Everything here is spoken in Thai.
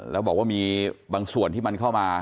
แล้วบอกว่ามีบางส่วนที่มันเข้ามา